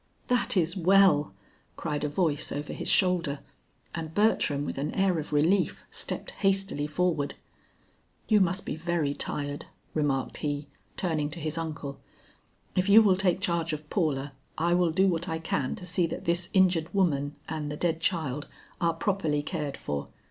"That is well," cried a voice over his shoulder, and Bertram with an air of relief stepped hastily forward. "You must be very tired," remarked he, turning to his uncle. "If you will take charge of Paula, I will do what I can to see that this injured woman and the dead child are properly cared for.